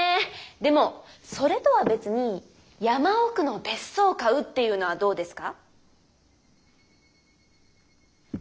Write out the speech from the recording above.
でもそれとは別に「山奥の別荘」を買うっていうのはどうですか？